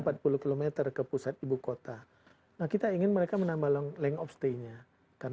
nah ini signifikansinya terhadap misalnya mengibut titik wisatawan ke sana b imagine wisatawan kesana apa kira kira menjadi target